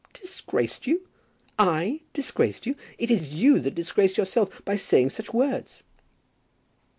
"Disgraced you! I disgrace you! It is you that disgrace yourself by saying such words."